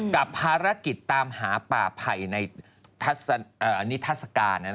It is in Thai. กับภารกิจตามหาป่าไผ่ในนิทัศกาล